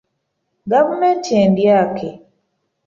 Gavumenti endyake.